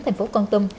thành phố con tâm